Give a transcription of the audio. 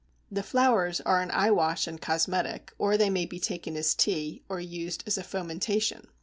The flowers are an eye wash and cosmetic, or they may be taken as tea or used as a fomentation.